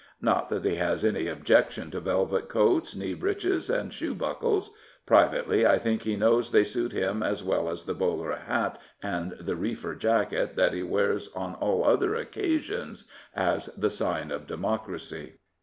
Not that he has any objection to velvet coats, knee breeches, and shoe bucWes. Privately, I think, he knows they suit him as well as the bowler hat and the ^jESfifer jacket that he wears on aD other occasions as the sign of democracy.